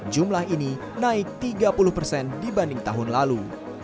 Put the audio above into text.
jumlah ini naik tiga puluh persen dibanding tahun lalu